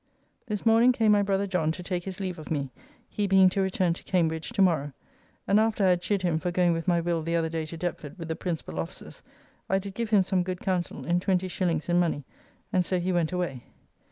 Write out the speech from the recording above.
This morning came my brother John to take his leave of me, he being to return to Cambridge to morrow, and after I had chid him for going with my Will the other day to Deptford with the principal officers, I did give him some good counsell and 20s. in money, and so he went away.